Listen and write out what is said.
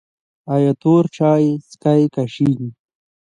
ایا تور چای څښئ که شین؟